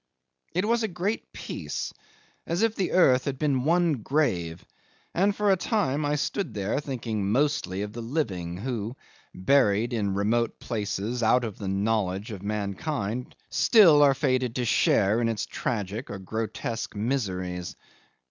'It was a great peace, as if the earth had been one grave, and for a time I stood there thinking mostly of the living who, buried in remote places out of the knowledge of mankind, still are fated to share in its tragic or grotesque miseries.